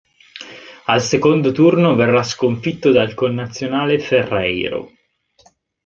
Al secondo turno verrà sconfitto dal connazionale Ferreiro.